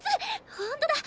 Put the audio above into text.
ほんとだ！